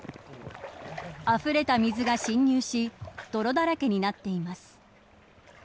あふれた水が浸入し泥だらけになっています。